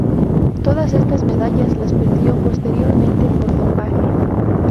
Todas estas medallas las perdió posteriormente por dopaje.